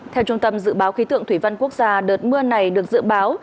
theo trung tâm dự báo khí tượng thủy văn quốc gia đợt mưa này được dự báo